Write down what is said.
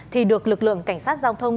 thì được lực lượng cảnh sát giao thông